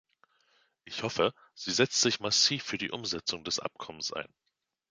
Ich hoffe, sie setzt sich massiv für die Umsetzung des Abkommens ein.